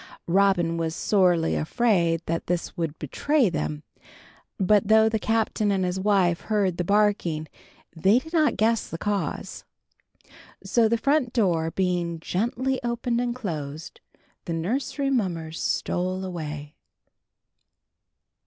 Robin was sorely afraid that this would betray them; but though the Captain and his wife heard the barking they did not guess the cause. So the front door being very gently opened and closed, the nursery mummers stole away.